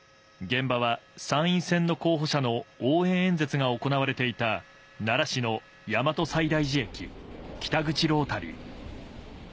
現場は、参院選の候補者の応援演説が行われていた奈良市の大和西大寺駅北口ロータリー。